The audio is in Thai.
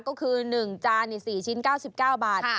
ก็คือ๑จาน๔ชิ้น๙๙บาท